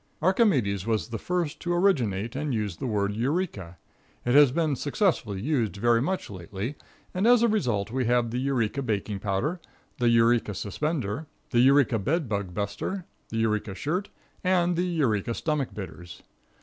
Archimedes was the first to originate and use the word "Eureka." It has been successfully used very much lately, and as a result we have the Eureka baking powder, the Eureka suspender, the Eureka bed bug buster, the Eureka shirt, and the Eureka stomach bitters.